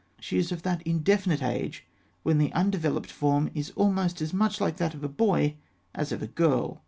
She is of that indefinite age when the undeveloped form is almost as much like that of a boy as of a girl.